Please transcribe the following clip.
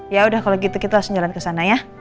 yaudah kalau gitu kita langsung jalan ke sana ya